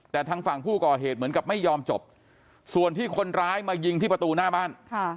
แต่ทางฝั่งผู้ก่อเหตุเหมือนกับไม่ยอมจบส่วนที่คนร้ายมายิงที่ประตูหน้าบ้าน